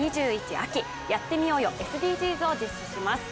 秋やってみようよＳＤＧｓ」が始まります。